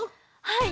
はい。